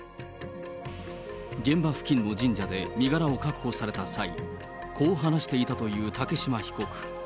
現場付近の神社で身柄を確保された際、こう話していたという竹島被告。